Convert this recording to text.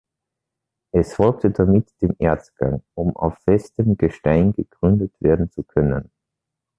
Es folgte damit dem Erzgang, um auf festem Gestein gegründet werden zu können.